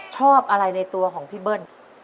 ชอบอะไรในตัวของพี่เบิ้ล